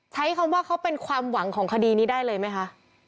ใช้คำว่าเขาเป็นความหวังของคดีนี้ได้เลยไหมคะ